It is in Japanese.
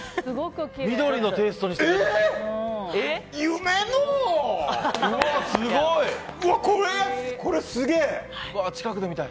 緑のテイストにしてきた。